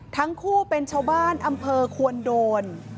ทั้งคู่เป็นชาวบ้านอำเภอควรโดน